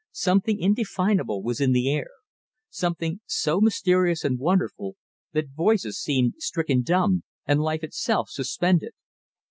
Something indefinable was in the air, something so mysterious and wonderful, that voices seemed stricken dumb, and life itself suspended.